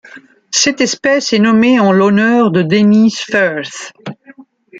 Cette espèce est nommée en l'honneur de Denys Firth.